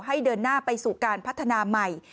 ให้เดินหน้าไปสู่การพัฒนาใหม่